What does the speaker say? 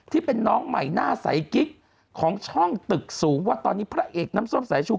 ที่เป็นน้องใหม่หน้าใสกิ๊กของช่องตึกสูงว่าตอนนี้พระเอกน้ำส้มสายชู